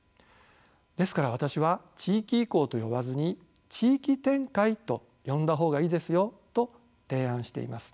ですから私は地域移行と呼ばずに地域展開と呼んだ方がいいですよと提案しています。